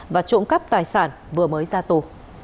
và trộm cắp tài sản vừa mới ra tù